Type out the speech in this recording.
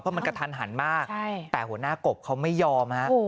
เพราะมันกระทันหันมากแต่หัวหน้ากบเขาไม่ยอมฮะ